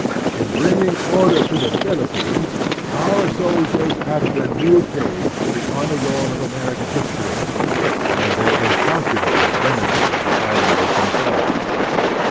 In bringing order to the Philippines, 28o The Strenuous Life otir soldiers added a new page to the honor roll of American history, and they incalctilably benefited the islanders themselves.